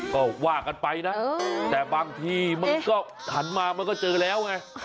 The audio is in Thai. ก็ว่ากันไปนะแต่บางทีมันก็หันมามันก็เจอแล้วไง